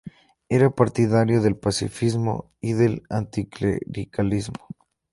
Era partidario del pacifismo y del anticlericalismo.